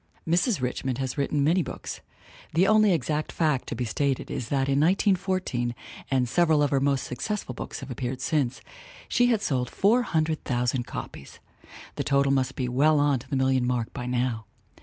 Mrs. Richmond has written many books. The only exact fact to be stated is that in 1914 and several of her most successful books have appeared since she had sold 400,000 copies. The total must be well on to the million mark by now.